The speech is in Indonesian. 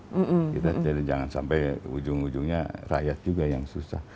kita jadi jangan sampai ujung ujungnya rakyat juga yang susah